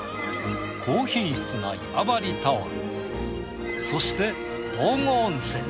高品質な今治タオルそして道後温泉。